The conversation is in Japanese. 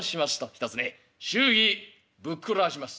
「ひとつね祝儀ぶっくらわします」。